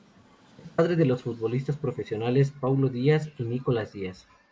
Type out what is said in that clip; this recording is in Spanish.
Es padre de los futbolistas profesionales Paulo Díaz y Nicolás Díaz.